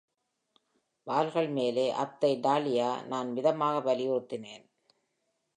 "வால்கள் மேலே, அத்தை டாலியா," நான் மிதமாக வலியுறுத்தினேன்.